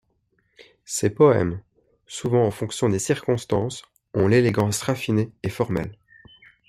Ses poèmes, souvent en fonction des circonstances, ont l'élégance raffinée et formelle.